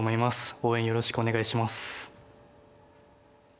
応援よろしくお願いします。